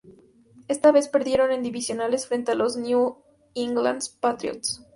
Esta vez perdieron en divisionales frente a los New England Patriots.